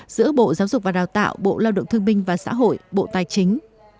giữa bộ giáo dục và đào tạo bộ lao động thương minh và xã hội bộ tài chính